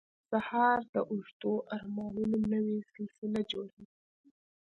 سهار د اوږدو ارمانونو نوې سلسله جوړوي.